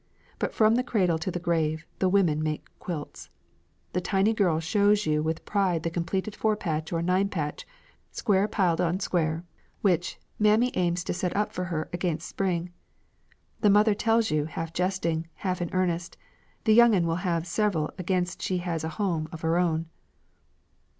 But from the cradle to the grave, the women make quilts. The tiny girl shows you with pride the completed four patch or nine patch, square piled on square, which 'mammy aims to set up for her ag'inst spring.' The mother tells you half jesting, half in earnest, 'the young un will have several ag'inst she has a home of her own.'